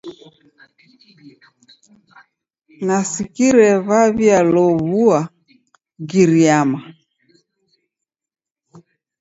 Nasikire wa'w'ialow'ua Giriyama.